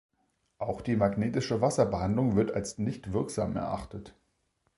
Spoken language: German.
Auch die magnetische Wasserbehandlung wird als nicht wirksam erachtet.